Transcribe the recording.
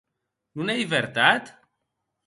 Non ei vertat?